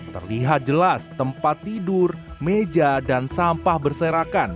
terlihat jelas tempat tidur meja dan sampah berserakan